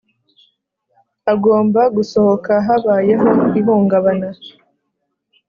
agomba gusohoka habayeho ihungabana